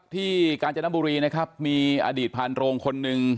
ที่การจัดนับบุรีนะครับมีอดีตพาลโรงคนนึง